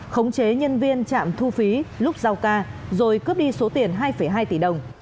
khống chế nhân viên trạm thu phí lúc giao ca rồi cướp đi số tiền hai hai tỷ đồng